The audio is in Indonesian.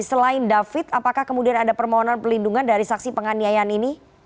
selain david apakah kemudian ada permohonan pelindungan dari saksi penganiayaan ini